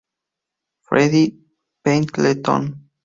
Freddie Pendleton